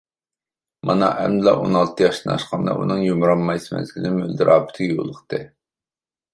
مانا ئەمدىلا ئون ئالتە ياشتىن ئاشقاندا، ئۇنىڭ يۇمران مايسا مەزگىلى مۆلدۈر ئاپىتىگە يولۇقتى.